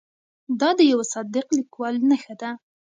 دا د یوه صادق لیکوال نښه ده.